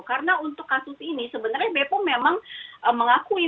karena untuk kasus ini sebenarnya bepom memang mengakui